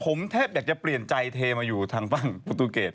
ผมแทบอยากจะเปลี่ยนใจเทมาอยู่ทางบ้านประตูเกรด